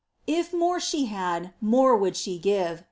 If more she had, more would she give.